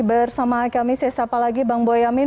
bersama kami saya sapa lagi bang boyamin